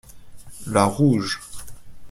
La rouge.